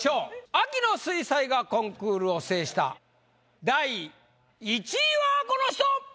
秋の水彩画コンクールを制した第１位はこの人！